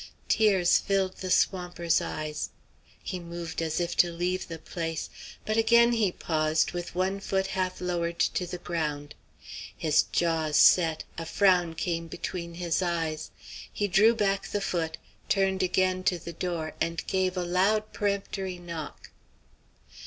Tears filled the swamper's eyes. He moved as if to leave the place. But again he paused, with one foot half lowered to the ground. His jaws set, a frown came between his eyes; he drew back the foot, turned again to the door, and gave a loud, peremptory knock.